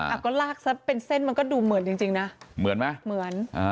อ้าวก็ลากซะเป็นเส้นมันก็ดูเหมือนจริงนะเหมือนมั้ยเหมือน